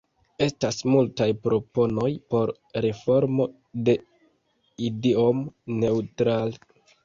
Estas multaj proponoj por reformo de Idiom-Neutral.